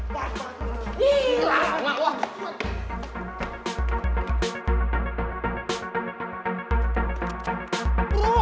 pat pat perlahan